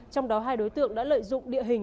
trong đó hai đối tượng đã lợi dụng địa hình